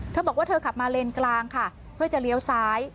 เธอบอกว่าเธอขับมาเลนกลางค่ะเพื่อจะเลี้ยวซ้าย